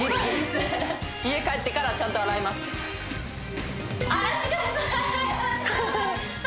家帰ってからちゃんと洗います